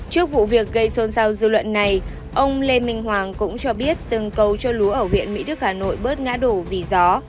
trước vụ việc gây xôn xao dư luận này ông lê minh hoàng cũng cho biết từng cầu cho lúa ở huyện mỹ đức hà nội bớt ngã đổ vì gió